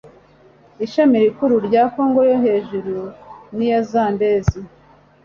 ishami rikuru rya kongo yo hejuru n'iya zambezi